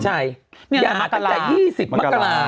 อย่าหาตั้งแต่๒๐มกรา